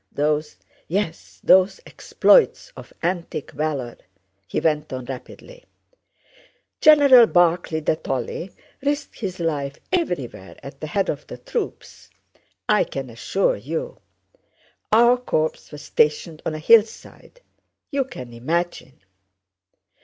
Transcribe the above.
those... yes, those exploits of antique valor," he went on rapidly. "General Barclay de Tolly risked his life everywhere at the head of the troops, I can assure you. Our corps was stationed on a hillside. You can imagine!"